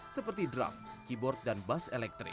seperti drum keyboard dan bass elektrik